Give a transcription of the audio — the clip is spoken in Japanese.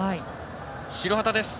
白旗です。